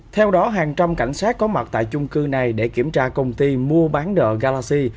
theo đó hàng trăm cảnh sát có mặt tại chung cư này để kiểm tra công ty mua bán nợ galaxy